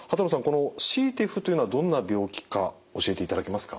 このＣＴＥＰＨというのはどんな病気か教えていただけますか。